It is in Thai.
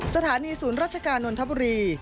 สถานีศูนย์ราชการนทบุรี